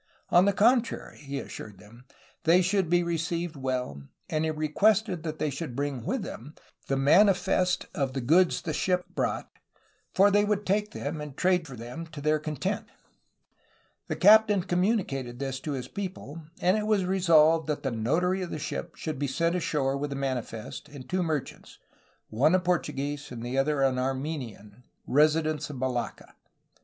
On the contrary, he assured them, they should be received well, and he requested that they should bring with them the mani fest of the goods the ship brought, for they would take them and trade for them to their content. The captain communicated this to his people, and it was resolved that the notary of the ship should be sent ashore with the manifest and two merchants, one a Portu guese and the other an Armenian, residents of Malacca.